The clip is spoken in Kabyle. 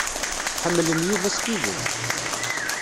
Ḥemmlen Yuba s tidet.